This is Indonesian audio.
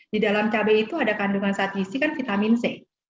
di dalam cabai itu ada kandungan sat gizi kan vitamin c